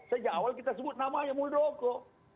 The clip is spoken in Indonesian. sejak awal kita sebut namanya muldoko